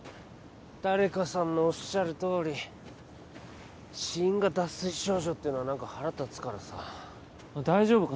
誰かさんのおっしゃるとおり死因が脱水症状っていうのは何か腹立つからさ大丈夫か？